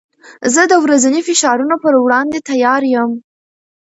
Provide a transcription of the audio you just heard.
زه د ورځني فشارونو پر وړاندې تیار یم.